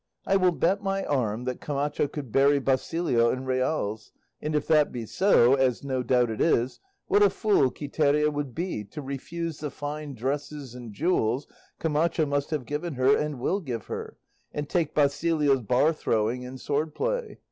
I will bet my arm that Camacho could bury Basilio in reals; and if that be so, as no doubt it is, what a fool Quiteria would be to refuse the fine dresses and jewels Camacho must have given her and will give her, and take Basilio's bar throwing and sword play.